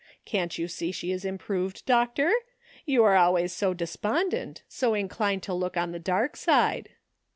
Can't you see she is improved. Doctor? You are always so de spondent, so inclined to look on the dark side."